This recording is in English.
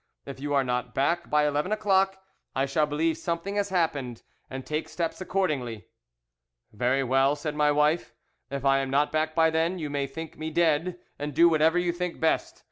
If you are not back by eleven o'clock, I shall believe something has happened, and take steps accordingly.' 'Very well,' said my wife; 'if I am not back by then, you may think me dead, and do whatever you think best.